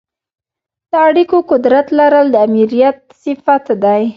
د اړیکو قدرت لرل د آمریت صفت دی.